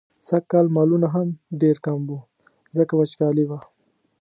سږکال مالونه هم ډېر کم وو، ځکه وچکالي وه.